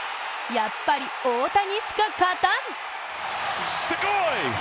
やっぱり大谷しか勝たん！